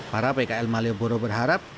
para pkl malioboro berharap